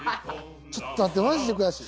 ちょっと待ってマジで悔しい。